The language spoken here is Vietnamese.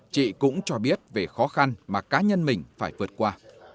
chị cũng cho biết về khó khăn mà cá nhân mình phải vượt qua